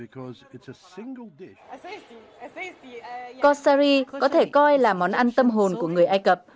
coshari có thể coi là món ăn tâm hồn của người ai cập